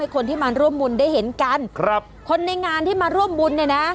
คนที่มาร่วมบุญได้เห็นกันครับคนในงานที่มาร่วมบุญเนี่ยนะ